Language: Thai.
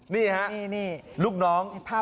นี่ครับ